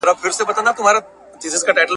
افغاني لښکر ماته نه خوړله.